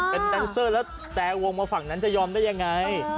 เป็นแดนเซอร์แล้วแต่วงมาฝั่งนั้นจะยอมได้ยังไง